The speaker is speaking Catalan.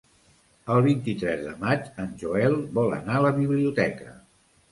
El vint-i-tres de maig en Joel vol anar a la biblioteca.